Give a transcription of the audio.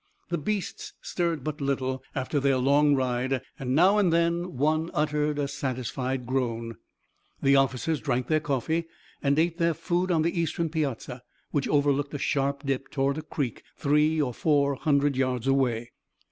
The beasts stirred but little after their long ride and now and then one uttered a satisfied groan. The officers drank their coffee and ate their food on the eastern piazza, which overlooked a sharp dip toward a creek three or four hundred yards away.